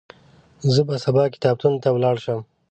زه به سبا کتابتون ته ولاړ شم.